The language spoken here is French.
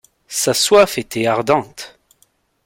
Sa soif était ardente.